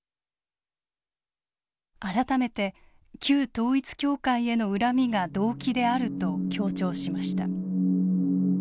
改めて「旧統一教会への恨み」が動機であると強調しました。